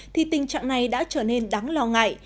thì tình trạng này đã trở nên đáng lo ngại